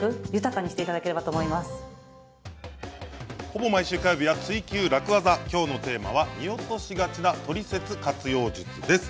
ほぼ毎週火曜日は「ツイＱ楽ワザ」きょうのテーマは見落としがちなトリセツ活用術です。